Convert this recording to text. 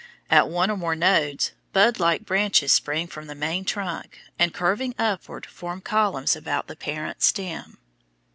At one or more nodes, bud like branches spring from the main trunk and, curving upward, form columns about the parent stem.